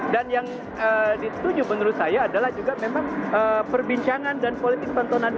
dan yang dituju menurut saya adalah juga memang perbincangan dan politik